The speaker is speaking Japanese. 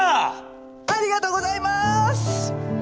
ありがとうございます！